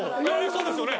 そうですよね？